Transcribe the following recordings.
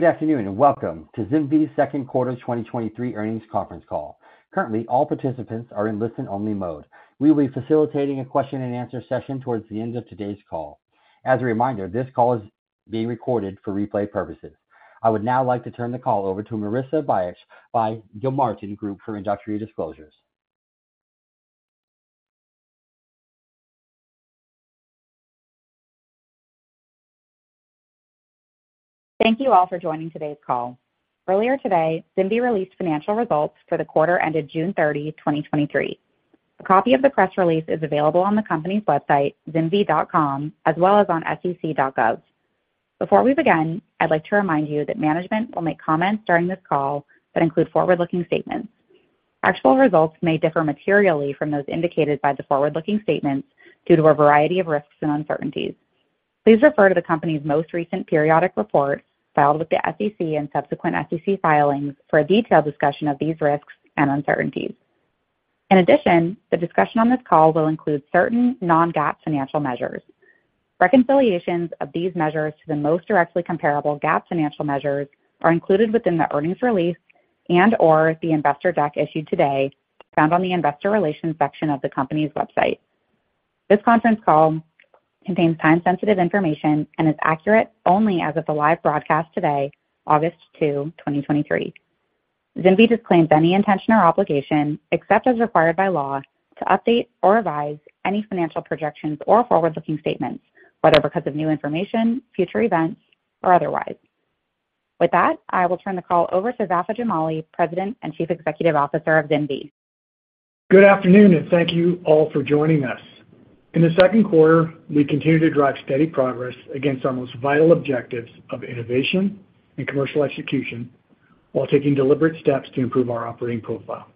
Good afternoon, welcome to ZimVie's second quarter 2023 earnings conference call. Currently, all participants are in listen-only mode. We will be facilitating a question-and-answer session towards the end of today's call. As a reminder, this call is being recorded for replay purposes. I would now like to turn the call over to Marissa Bych by Gilmartin Group for introductory disclosures. Thank you all for joining today's call. Earlier today, ZimVie released financial results for the quarter ended June 30, 2023. A copy of the press release is available on the company's website, zimvie.com, as well as on sec.gov. Before we begin, I'd like to remind you that management will make comments during this call that include forward-looking statements. Actual results may differ materially from those indicated by the forward-looking statements due to a variety of risks and uncertainties. Please refer to the company's most recent periodic report filed with the SEC and subsequent SEC filings for a detailed discussion of these risks and uncertainties. In addition, the discussion on this call will include certain non-GAAP financial measures. Reconciliations of these measures to the most directly comparable GAAP financial measures are included within the earnings release and/or the investor deck issued today, found on the investor relations section of the company's website. This conference call contains time-sensitive information and is accurate only as of the live broadcast today, August 2, 2023. ZimVie disclaims any intention or obligation, except as required by law, to update or revise any financial projections or forward-looking statements, whether because of new information, future events, or otherwise. With that, I will turn the call over to Vafa Jamali, President and Chief Executive Officer of ZimVie. Good afternoon, and thank you all for joining us. In the second quarter, we continued to drive steady progress against our most vital objectives of innovation and commercial execution while taking deliberate steps to improve our operating profile.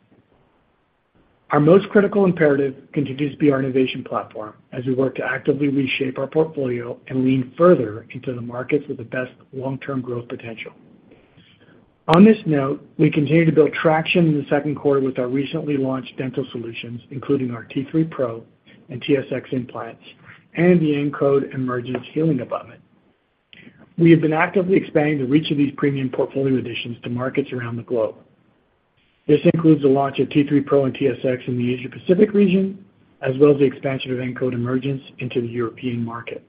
Our most critical imperative continues to be our innovation platform as we work to actively reshape our portfolio and lean further into the markets with the best long-term growth potential. On this note, we continued to build traction in the second quarter with our recently launched dental solutions, including our T3 PRO and TSX implants and the Encode Emergence healing abutment. We have been actively expanding the reach of these premium portfolio additions to markets around the globe. This includes the launch of T3 PRO and TSX in the Asia Pacific region, as well as the expansion of Encode Emergence into the European market.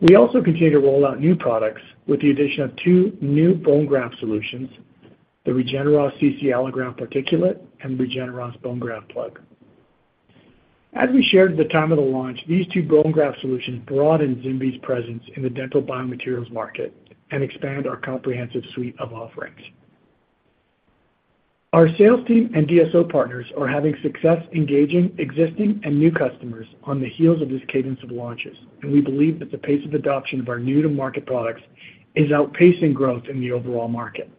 We also continued to roll out new products with the addition of two new bone graft solutions, the RegenerOss CC Allograft Particulate and RegenerOss Bone Graft Plug. As we shared at the time of the launch, these two bone graft solutions broaden ZimVie's presence in the dental biomaterials market and expand our comprehensive suite of offerings. Our sales team and DSO partners are having success engaging existing and new customers on the heels of this cadence of launches, and we believe that the pace of adoption of our new-to-market products is outpacing growth in the overall market.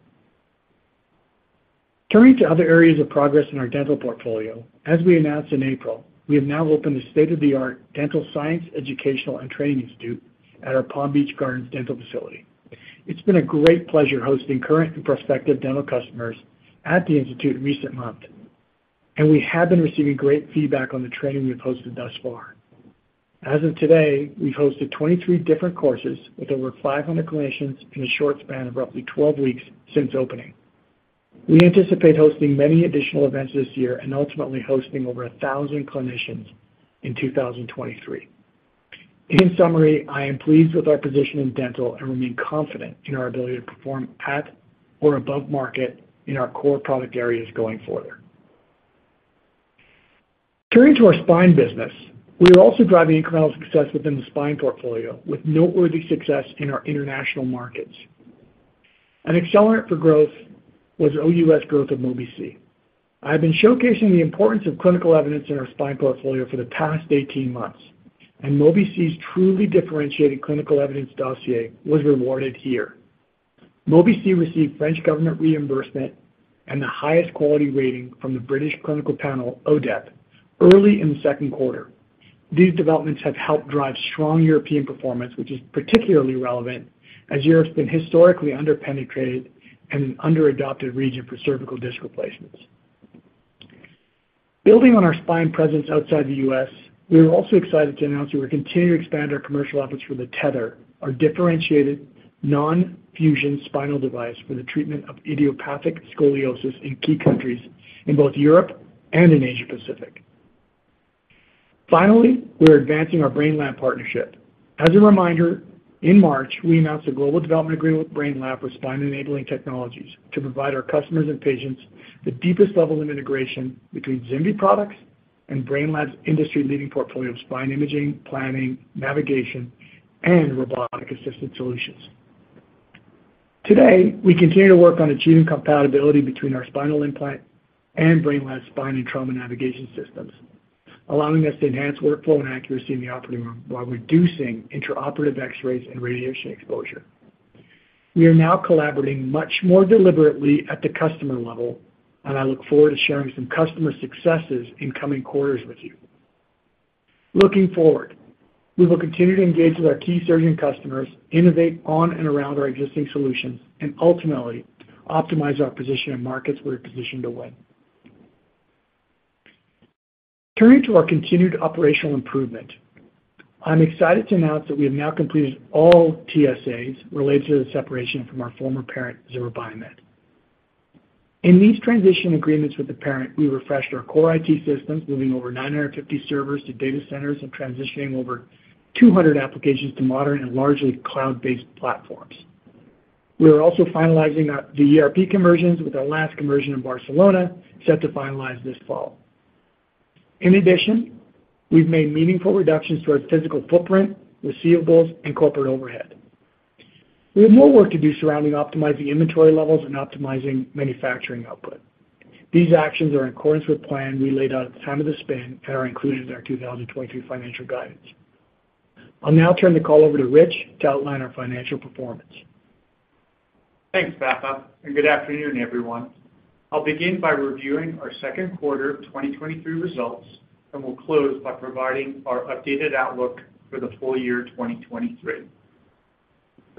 Turning to other areas of progress in our dental portfolio, as we announced in April, we have now opened a state-of-the-art dental science, educational, and training institute at our Palm Beach Gardens dental facility. It's been a great pleasure hosting current and prospective dental customers at the institute in recent months, and we have been receiving great feedback on the training we've hosted thus far. As of today, we've hosted 23 different courses with over 500 clinicians in a short span of roughly 12 weeks since opening. We anticipate hosting many additional events this year and ultimately hosting over 1,000 clinicians in 2023. In summary, I am pleased with our position in dental and remain confident in our ability to perform at or above market in our core product areas going forward. Turning to our spine business, we are also driving incremental success within the spine portfolio, with noteworthy success in our international markets. An accelerant for growth was OUS growth of Mobi-C. I have been showcasing the importance of clinical evidence in our spine portfolio for the past 18 months. Mobi-C's truly differentiated clinical evidence dossier was rewarded here. Mobi-C received French government reimbursement and the highest quality rating from the British clinical panel, ODEP, early in the second quarter. These developments have helped drive strong European performance, which is particularly relevant as Europe's been historically underpenetrated and an under-adopted region for cervical disc replacements. Building on our spine presence outside the US, we are also excited to announce that we're continuing to expand our commercial efforts for The Tether, our differentiated non-fusion spinal device for the treatment of idiopathic scoliosis in key countries in both Europe and in Asia Pacific. Finally, we are advancing our Brainlab partnership. As a reminder, in March, we announced a global development agreement with Brainlab for spine-enabling technologies to provide our customers and patients the deepest level of integration between ZimVie products and Brainlab's industry-leading portfolio of spine imaging, planning, navigation, and robotic-assisted solutions. Today, we continue to work on achieving compatibility between our spinal implant and Brainlab's spine and trauma navigation systems, allowing us to enhance workflow and accuracy in the operating room while reducing intraoperative X-rays and radiation exposure. We are now collaborating much more deliberately at the customer level, and I look forward to sharing some customer successes in coming quarters with you. Looking forward, we will continue to engage with our key surgeon customers, innovate on and around our existing solutions, and ultimately optimize our position in markets we're positioned to win. Turning to our continued operational improvement, I'm excited to announce that we have now completed all TSAs related to the separation from our former parent, Zimmer Biomet. In these transition agreements with the parent, we refreshed our core IT systems, moving over 950 servers to data centers and transitioning over 200 applications to modern and largely cloud-based platforms. We are also finalizing the ERP conversions, with our last conversion in Barcelona, set to finalize this fall. In addition, we've made meaningful reductions to our physical footprint, receivables, and corporate overhead. We have more work to do surrounding optimizing inventory levels and optimizing manufacturing output. These actions are in accordance with plan we laid out at the time of the spin and are included in our 2023 financial guidance. I'll now turn the call over to Rich to outline our financial performance. Thanks, Vafa, good afternoon, everyone. I'll begin by reviewing our second quarter of 2023 results, and we'll close by providing our updated outlook for the full year 2023.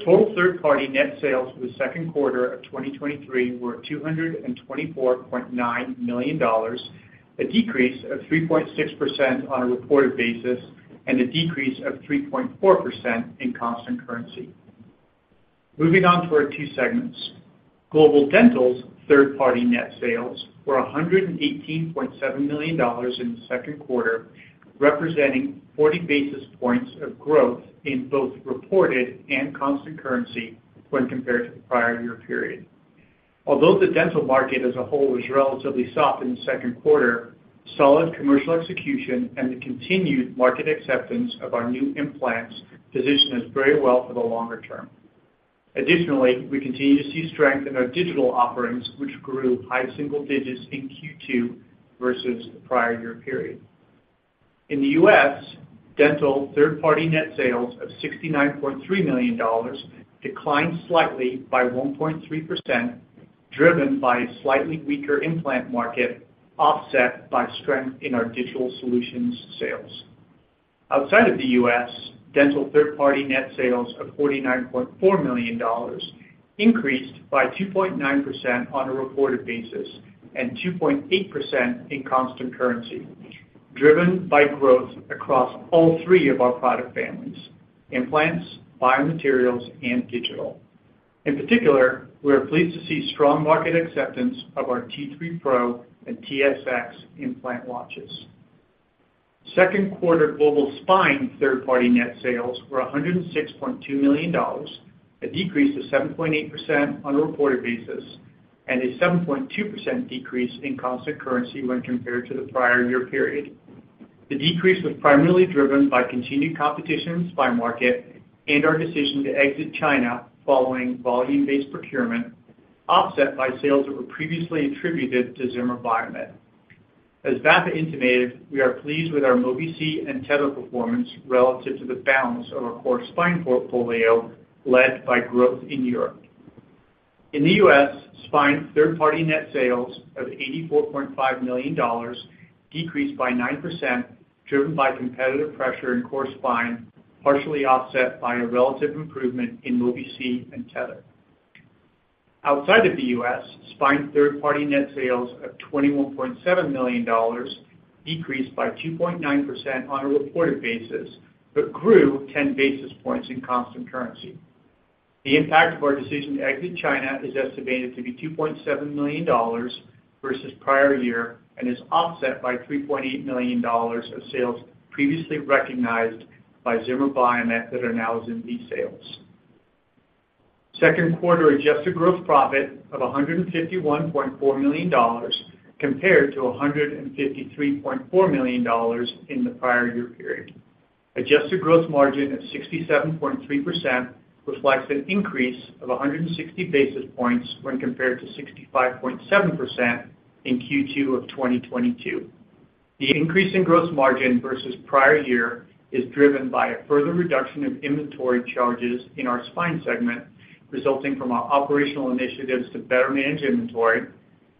Total third-party net sales for the second quarter of 2023 were $224.9 million, a decrease of 3.6% on a reported basis and a decrease of 3.4% in constant currency. Moving on to our two segments. Global Dental's third-party net sales were $118.7 million in the second quarter, representing 40 basis points of growth in both reported and constant currency when compared to the prior year period. Although the dental market as a whole was relatively soft in the second quarter, solid commercial execution and the continued market acceptance of our new implants position us very well for the longer term. Additionally, we continue to see strength in our digital offerings, which grew high single digits in Q2 versus the prior year period. In the U.S., dental third-party net sales of $69.3 million declined slightly by 1.3%, driven by a slightly weaker implant market, offset by strength in our digital solutions sales. Outside of the U.S., dental third-party net sales of $49.4 million increased by 2.9% on a reported basis and 2.8% in constant currency, driven by growth across all three of our product families: implants, biomaterials, and digital. In particular, we are pleased to see strong market acceptance of our T3 PRO and TSX implant launches. Second quarter Global Spine third-party net sales were $106.2 million, a decrease of 7.8% on a reported basis, and a 7.2% decrease in constant currency when compared to the prior year period. The decrease was primarily driven by continued competition in the spine market and our decision to exit China following volume-based procurement, offset by sales that were previously attributed to Zimmer Biomet. As Vafa intimated, we are pleased with our Mobi-C and Tether performance relative to the balance of our core spine portfolio, led by growth in Europe. In the US, spine third-party net sales of $84.5 million decreased by 9%, driven by competitive pressure in core spine, partially offset by a relative improvement in Mobi-C and Tether. Outside of the US, spine third-party net sales of $21.7 million decreased by 2.9% on a reported basis, but grew 10 basis points in constant currency. The impact of our decision to exit China is estimated to be $2.7 million versus prior year and is offset by $3.8 million of sales previously recognized by Zimmer Biomet that are now in ZIMV sales. Second quarter adjusted gross profit of $151.4 million compared to $153.4 million in the prior year period. Adjusted gross margin of 67.3% reflects an increase of 160 basis points when compared to 65.7% in Q2 of 2022. The increase in gross margin versus prior year is driven by a further reduction of inventory charges in our Spine segment, resulting from our operational initiatives to better manage inventory,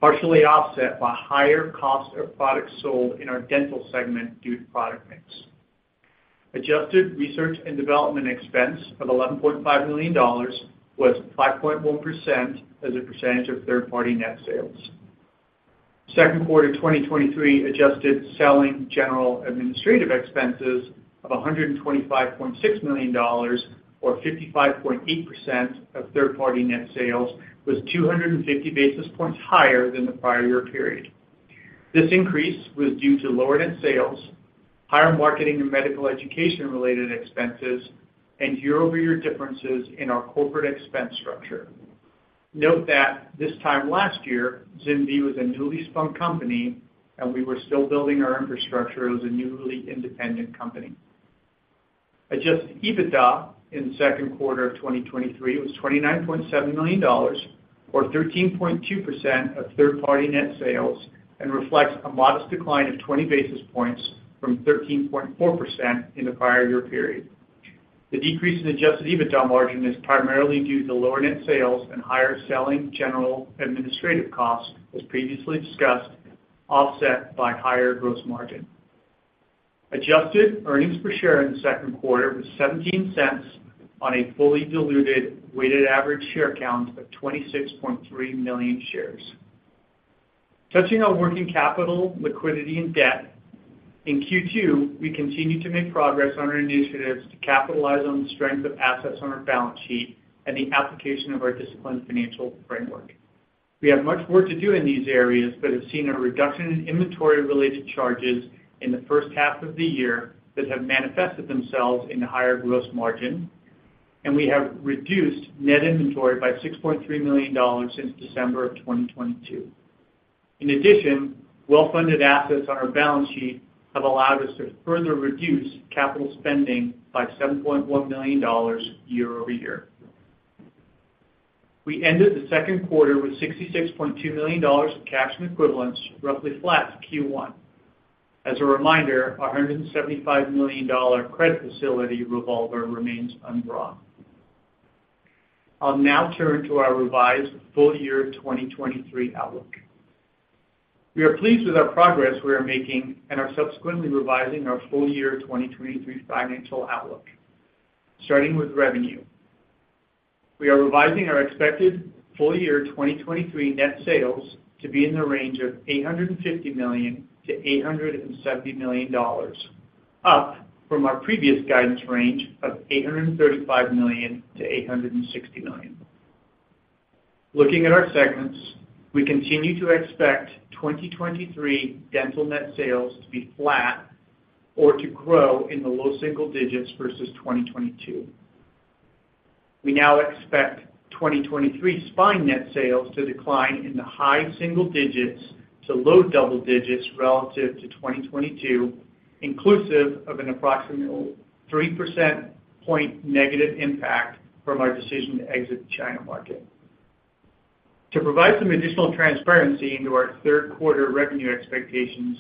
partially offset by higher cost of products sold in our Dental segment due to product mix. Adjusted research and development expense of $11.5 million was 5.1% as a percentage of third-party net sales. Second quarter 2023 adjusted selling general administrative expenses of $125.6 million or 55.8% of third-party net sales was 250 basis points higher than the prior year period. This increase was due to lower net sales, higher marketing and medical education-related expenses, and year-over-year differences in our corporate expense structure. Note that this time last year, ZIMV was a newly spun company, and we were still building our infrastructure as a newly independent company. Adjusted EBITDA in the second quarter of 2023 was $29.7 million or 13.2% of third-party net sales and reflects a modest decline of 20 basis points from 13.4% in the prior year period. The decrease in adjusted EBITDA margin is primarily due to lower net sales and higher selling general administrative costs, as previously discussed, offset by higher gross margin. Adjusted earnings per share in the second quarter was $0.17 on a fully diluted weighted average share count of 26.3 million shares. Touching on working capital, liquidity, and debt, in Q2, we continued to make progress on our initiatives to capitalize on the strength of assets on our balance sheet and the application of our disciplined financial framework. We have much work to do in these areas, but have seen a reduction in inventory-related charges in the first half of the year that have manifested themselves in a higher gross margin, and we have reduced net inventory by $6.3 million since December of 2022. Well-funded assets on our balance sheet have allowed us to further reduce capital spending by $7.1 million year-over-year. We ended the second quarter with $66.2 million in cash and equivalents, roughly flat to Q1. As a reminder, our $175 million credit facility revolver remains undrawn. I'll now turn to our revised full year 2023 outlook. We are pleased with our progress we are making and are subsequently revising our full year 2023 financial outlook. Starting with revenue, we are revising our expected full year 2023 net sales to be in the range of $850 million-$870 million, up from our previous guidance range of $835 million-$860 million. Looking at our segments, we continue to expect 2023 dental net sales to be flat or to grow in the low single digits versus 2022. We now expect 2023 spine net sales to decline in the high single digits to low double digits relative to 2022, inclusive of an approximately 3% point negative impact from our decision to exit the China market. To provide some additional transparency into our third quarter revenue expectations,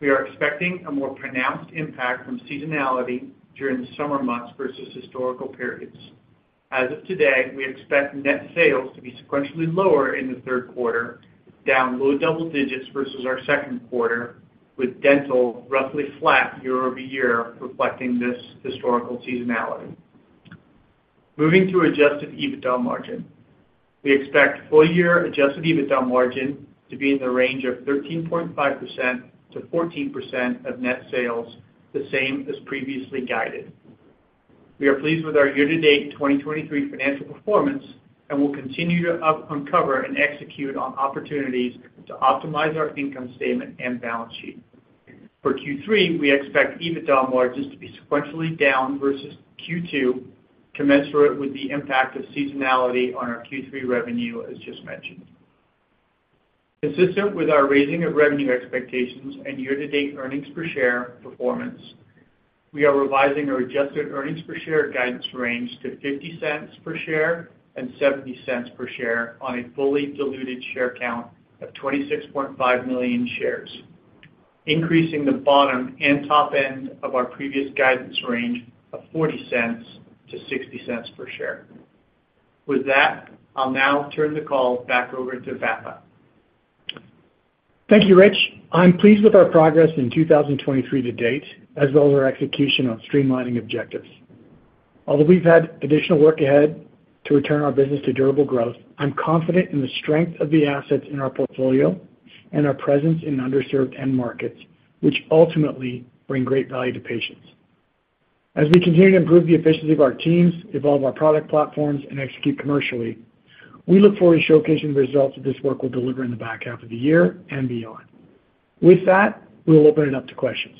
we are expecting a more pronounced impact from seasonality during the summer months versus historical periods. As of today, we expect net sales to be sequentially lower in the third quarter, down low double digits versus our second quarter, with dental roughly flat year-over-year, reflecting this historical seasonality. Moving to adjusted EBITDA margin. We expect full year adjusted EBITDA margin to be in the range of 13.5%-14% of net sales, the same as previously guided. We are pleased with our year-to-date 2023 financial performance, we'll continue to uncover and execute on opportunities to optimize our income statement and balance sheet. For Q3, we expect EBITDA margins to be sequentially down versus Q2, commensurate with the impact of seasonality on our Q3 revenue, as just mentioned. Consistent with our raising of revenue expectations and year-to-date earnings per share performance, we are revising our adjusted earnings per share guidance range to $0.50 per share and $0.70 per share on a fully diluted share count of 26.5 million shares, increasing the bottom and top end of our previous guidance range of $0.40-$0.60 per share. With that, I'll now turn the call back over to Vafa. Thank you, Rich. I'm pleased with our progress in 2023 to date, as well as our execution on streamlining objectives. Although we've had additional work ahead to return our business to durable growth, I'm confident in the strength of the assets in our portfolio and our presence in underserved end markets, which ultimately bring great value to patients. As we continue to improve the efficiency of our teams, evolve our product platforms, and execute commercially, we look forward to showcasing the results that this work will deliver in the back half of the year and beyond. With that, we'll open it up to questions.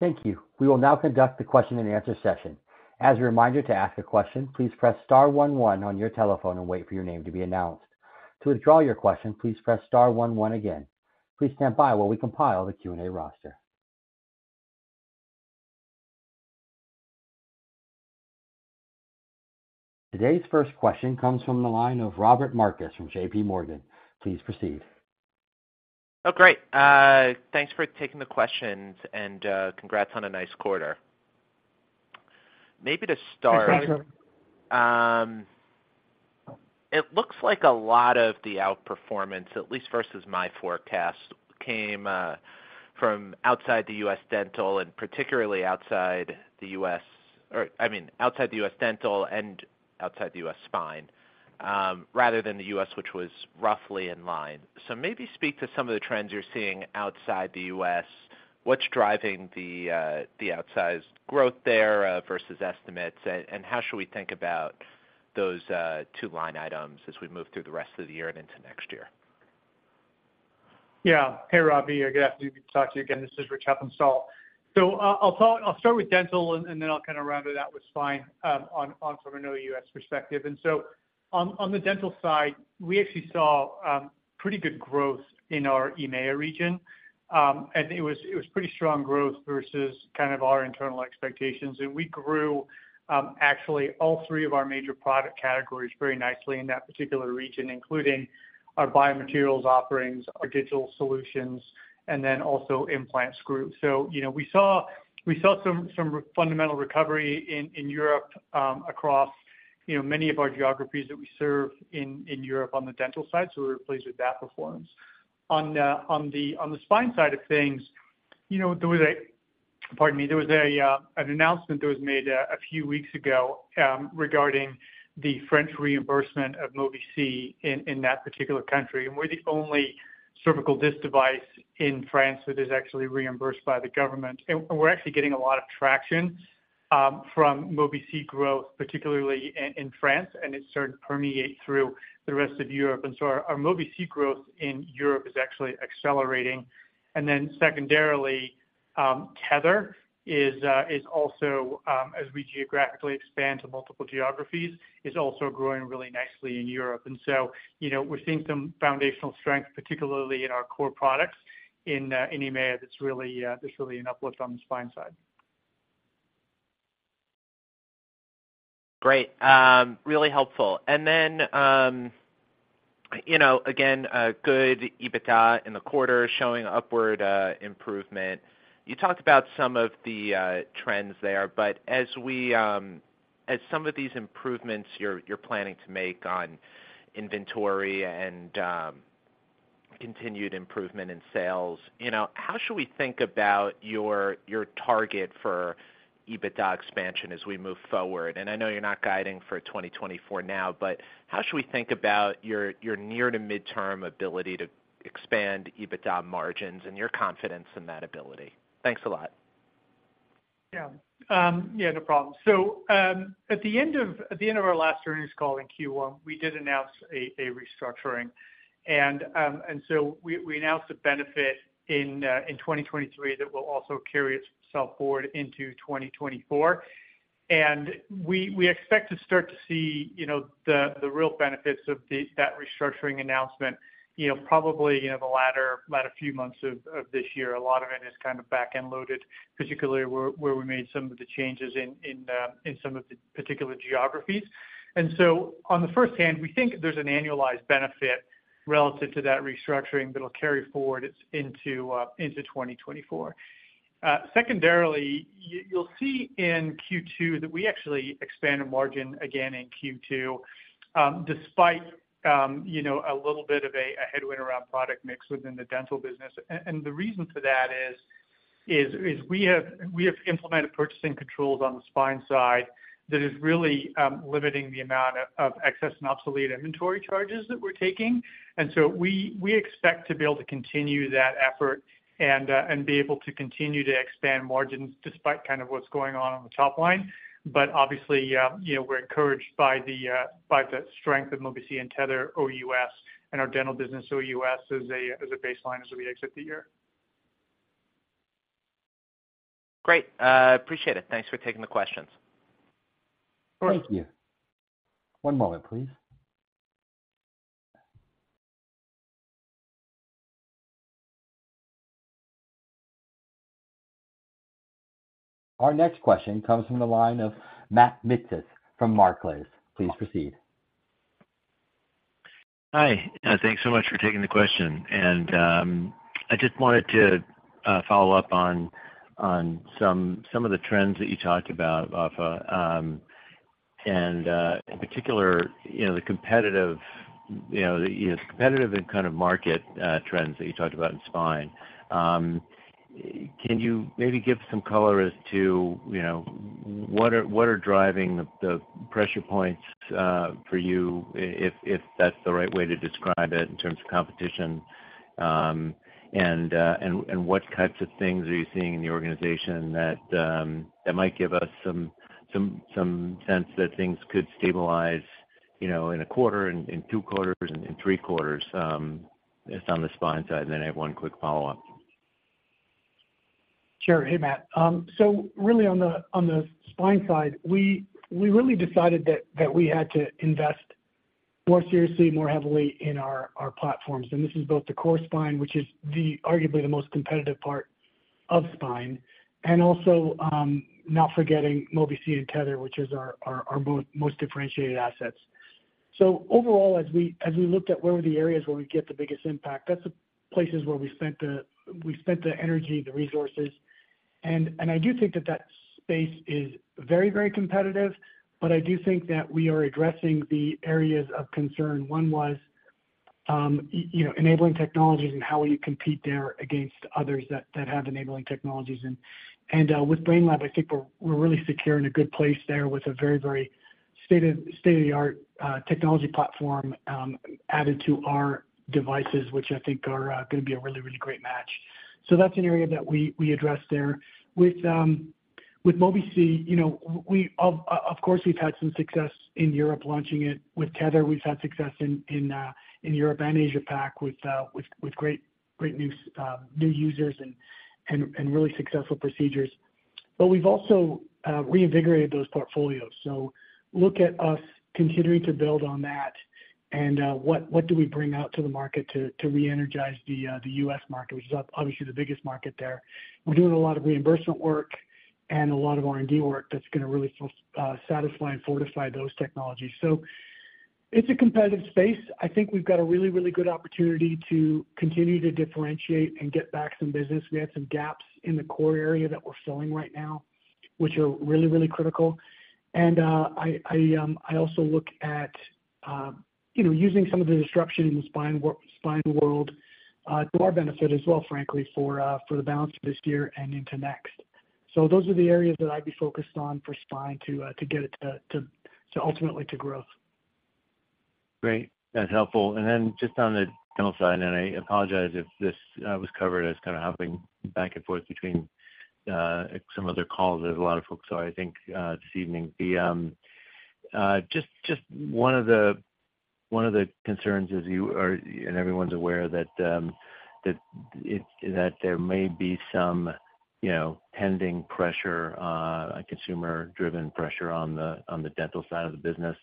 Thank you. We will now conduct the question-and-answer session. As a reminder to ask a question, please press star one one on your telephone and wait for your name to be announced. To withdraw your question, please press star one one again. Please stand by while we compile the Q&A roster. Today's first question comes from the line of Robbie Marcus from JP Morgan. Please proceed. Oh, great. thanks for taking the questions and congrats on a nice quarter. Maybe to start- Thanks, Robert. It looks like a lot of the outperformance, at least versus my forecast, came from outside the US dental and particularly outside the US, or I mean, outside the US dental and outside the US spine, rather than the US, which was roughly in line. Maybe speak to some of the trends you're seeing outside the US. What's driving the outsized growth there versus estimates? How should we think about those two line items as we move through the rest of the year and into next year? Hey, Robbie. Good afternoon. Good to talk to you again. This is Rich Heppenstall. I'll start with dental, and then I'll kind of round it out with spine, on from an OUS perspective. On the dental side, we actually saw pretty good growth in our EMEA region. And it was pretty strong growth versus kind of our internal expectations. And we grew actually all three of our major product categories very nicely in that particular region, including our biomaterials offerings, our digital solutions, and then also implant screws. You know, we saw some fundamental recovery in Europe across, you know, many of our geographies that we serve in Europe on the dental side. We're pleased with that performance. On the spine side of things, you know, the way that pardon me. There was an announcement that was made a few weeks ago regarding the French reimbursement of Mobi-C in that particular country. We're the only cervical disc device in France that is actually reimbursed by the government. We're actually getting a lot of traction from Mobi-C growth, particularly in France, and it's starting to permeate through the rest of Europe. Our Mobi-C growth in Europe is actually accelerating. Secondarily, Tether is also, as we geographically expand to multiple geographies, is also growing really nicely in Europe. You know, we're seeing some foundational strength, particularly in our core products in EMEA. That's really, that's really an uplift on the spine side. Great. Really helpful. You know, again, a good EBITDA in the quarter, showing upward improvement. You talked about some of the trends there, but as we, as some of these improvements you're, you're planning to make on inventory and continued improvement in sales, you know, how should we think about your, your target for EBITDA expansion as we move forward? I know you're not guiding for 2024 now, but how should we think about your, your near to midterm ability to expand EBITDA margins and your confidence in that ability? Thanks a lot. Yeah, no problem. At the end of, at the end of our last earnings call in Q1, we did announce a, a restructuring. We, we announced a benefit in 2023 that will also carry itself forward into 2024. We, we expect to start to see, you know, the, the real benefits of that restructuring announcement, you know, probably, you know, the latter, latter few months of, of this year. A lot of it is kind of back-end loaded, particularly where, where we made some of the changes in, in some of the particular geographies. On the first hand, we think there's an annualized benefit relative to that restructuring that'll carry forward its into 2024. Secondarily, you'll see in Q2 that we actually expanded margin again in Q2, despite, you know, a little bit of a headwind around product mix within the dental business. The reason for that is we have implemented purchasing controls on the spine side that is really limiting the amount of excess and obsolete inventory charges that we're taking. We expect to be able to continue that effort and be able to continue to expand margins despite kind of what's going on on the top line. Obviously, you know, we're encouraged by the strength of Mobi-C and Tether OUS and our dental business OUS as a baseline as we exit the year. Great. appreciate it. Thanks for taking the questions. Of course. Thank you. One moment, please. Our next question comes from the line of Matt Miksic from Barclays. Please proceed. Hi, thanks so much for taking the question. I just wanted to follow up on, on some, some of the trends that you talked about, Vafa. In particular, you know, the competitive, you know, the competitive and kind of market trends that you talked about in spine. Can you maybe give some color as to, you know, what are, what are driving the, the pressure points for you, if, if that's the right way to describe it in terms of competition? What types of things are you seeing in the organization that might give us some, some, some sense that things could stabilize, you know, in a quarter, in, in two quarters, in three quarters, just on the spine side? Then I have one quick follow-up. Sure. Hey, Matt. Really on the, on the spine side, we, we really decided that, that we had to invest more seriously, more heavily in our, our platforms. This is both the core spine, which is the, arguably, the most competitive part of spine, and also, not forgetting Mobi-C and Tether, which is our, our, our most differentiated assets. Overall, as we, as we looked at where were the areas where we get the biggest impact, that's the places where we spent the, we spent the energy, the resources. And I do think that that space is very, very competitive, but I do think that we are addressing the areas of concern. One was, you know, enabling technologies and how we compete there against others that, that have enabling technologies. With Brainlab, I think we're really secure in a good place there with a very, very state-of-the-art technology platform added to our devices, which I think are gonna be a really, really great match. That's an area that we addressed there. With Mobi-C, you know, we of course, we've had some success in Europe launching it. With Tether, we've had success in Europe and Asia Pac, with great, great new users and really successful procedures. We've also reinvigorated those portfolios. Look at us continuing to build on that and what, what do we bring out to the market to re-energize the US market, which is obviously the biggest market there. We're doing a lot of reimbursement work and a lot of R&D work that's gonna really satisfy and fortify those technologies. It's a competitive space. I think we've got a really, really good opportunity to continue to differentiate and get back some business. We had some gaps in the core area that we're filling right now.... which are really, really critical. I, I, I also look at, you know, using some of the disruption in the spine world, to our benefit as well, frankly, for, for the balance of this year and into next. Those are the areas that I'd be focused on for spine to get it to ultimately to growth. Great. That's helpful. And then just on the dental side, and I apologize if this was covered, I was kind of hopping back and forth between some other calls. There's a lot of folks, so I think this evening. Just, just one of the, one of the concerns is you are -- and everyone's aware that, that it, that there may be some, you know, pending pressure, consumer-driven pressure on the, on the dental side of the business.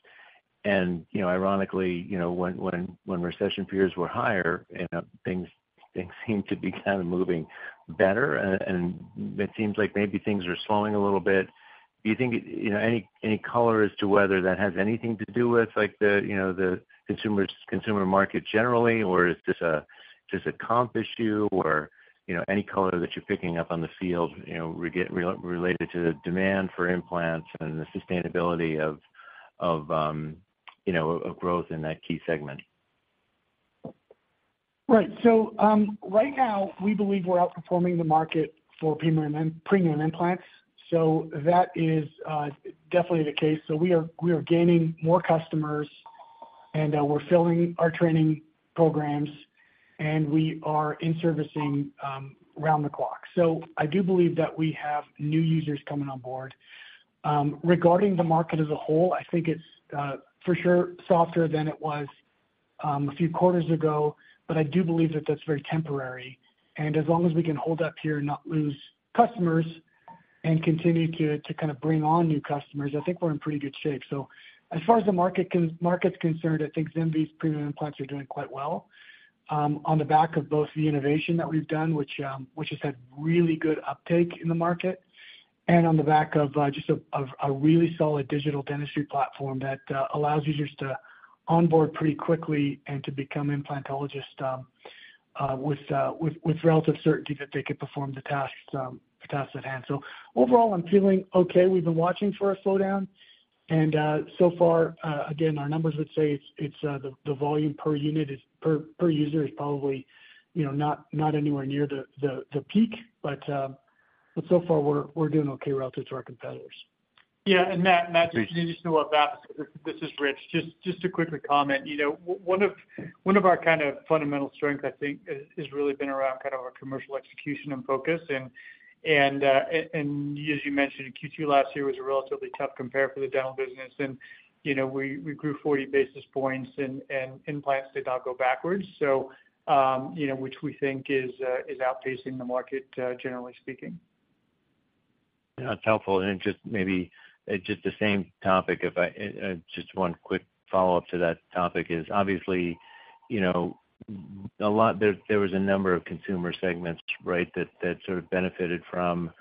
You know, ironically, you know, when, when, when recession periods were higher, you know, things, things seemed to be kind of moving better, and it seems like maybe things are slowing a little bit. Do you think, you know, any, any color as to whether that has anything to do with like the, you know, the consumers- consumer market generally, or is this a, just a comp issue? Or, you know, any color that you're picking up on the field, you know, related to the demand for implants and the sustainability of, of, you know, of growth in that key segment? Right. Right now, we believe we're outperforming the market for premium premium implants. That is definitely the case. We are, we are gaining more customers, and we're filling our training programs, and we are in servicing around the clock. I do believe that we have new users coming on board. Regarding the market as a whole, I think it's for sure, softer than it was a few quarters ago, but I do believe that that's very temporary. As long as we can hold up here and not lose customers and continue to, to kind of bring on new customers, I think we're in pretty good shape. As far as the market market's concerned, I think ZimVie's premium implants are doing quite well on the back of both the innovation that we've done, which has had really good uptake in the market, and on the back of just a of a really solid digital dentistry platform that allows users to onboard pretty quickly and to become implantologists with relative certainty that they could perform the tasks the tasks at hand. Overall, I'm feeling okay. We've been watching for a slowdown, and so far, again, our numbers would say it's, it's, the, the volume per unit is, per, per user is probably, you know, not, not anywhere near the, the, the peak. So far, we're, we're doing okay relative to our competitors. Yeah, Matt, Matt, just to add to that, this is Rich. Just, just to quickly comment, you know, one of, one of our kind of fundamental strength, I think, is, has really been around kind of our commercial execution and focus. As you mentioned, in Q2 last year was a relatively tough compare for the dental business. You know, we, we grew 40 basis points and implants did not go backwards. You know, which we think is outpacing the market, generally speaking. Yeah, that's helpful. Just maybe, just the same topic, if I, just one quick follow-up to that topic is obviously, you know, a lot... There, there was a number of consumer segments, right, that, that sort of benefited from,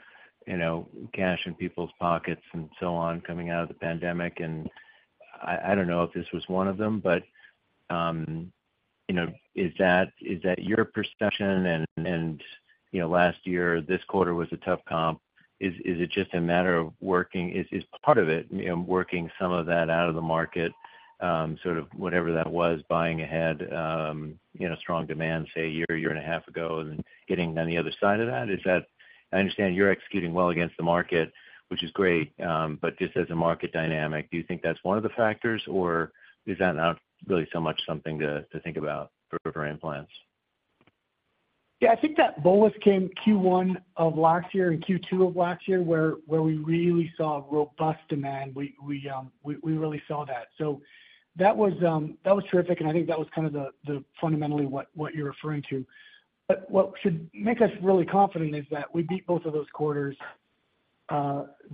you know, cash in people's pockets and so on, coming out of the pandemic. I, I don't know if this was one of them, but, you know, is that, is that your perception? And, you know, last year, this quarter was a tough comp. Is, is it just a matter of working-- Is, is part of it, you know, working some of that out of the market, sort of whatever that was, buying ahead, you know, strong demand, say, a year, year and a half ago, and then getting on the other side of that? I understand you're executing well against the market, which is great, but just as a market dynamic, do you think that's one of the factors, or is that not really so much something to think about for implants? Yeah, I think that bolus came Q1 of last year and Q2 of last year, where, where we really saw robust demand. We, we, we, we really saw that. That was, that was terrific, and I think that was kind of the, the fundamentally what, what you're referring to. What should make us really confident is that we beat both of those quarters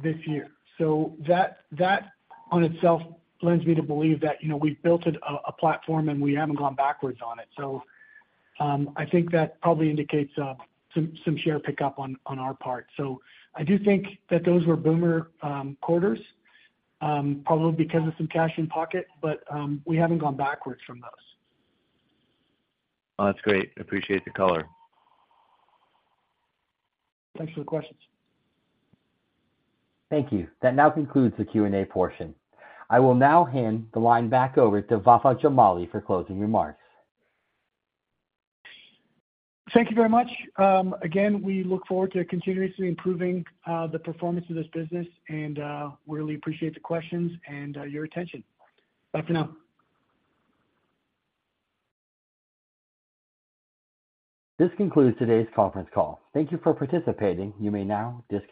this year. That, that on itself lends me to believe that, you know, we've built a, a platform, and we haven't gone backwards on it. I think that probably indicates some, some share pickup on, on our part. I do think that those were boomer quarters probably because of some cash in pocket, but we haven't gone backwards from those. That's great. Appreciate the color. Thanks for the questions. Thank you. That now concludes the Q&A portion. I will now hand the line back over to Vafa Jamali for closing remarks. Thank you very much. Again, we look forward to continuously improving the performance of this business, and we really appreciate the questions and your attention. Bye for now. This concludes today's conference call. Thank you for participating. You may now disconnect.